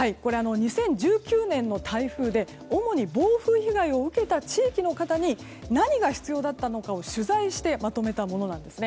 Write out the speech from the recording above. ２０１９年の台風で主に暴風被害を受けた地域の方に何が必要だったのかを取材してまとめたものなんです。